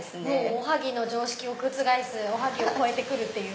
おはぎの常識を覆すおはぎを超えてくるっていう。